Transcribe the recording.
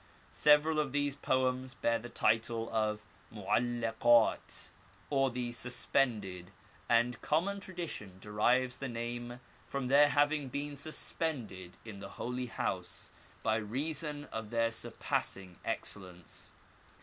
Several of these poems bear the title of Mo'allakat, or the Suspended, and common tradition derives the name from their having been suspended in the Holy House by reason of their surpassing excellence.